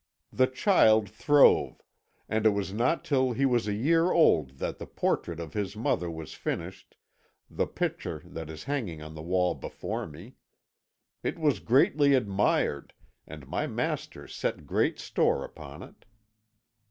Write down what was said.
"The child throve, and it was not till he was a year old that the portrait of his mother was finished the picture that is hanging on the wall before me. It was greatly admired, and my master set great store upon it.